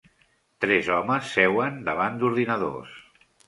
Tres homes seuen davant d'ordinadors.